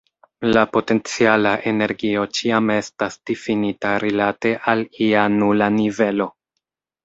La potenciala energio ĉiam estas difinita rilate al ia nula nivelo.